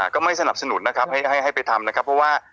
ก็ไม่สนับสนุนให้ไปทำเพราะว่า